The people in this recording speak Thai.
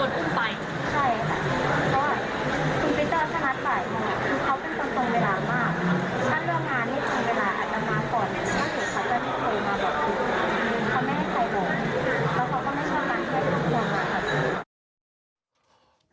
เขาไม่ให้ใครห่วงแล้วเขาก็ไม่ช่างการใช้ความความว่าค่ะ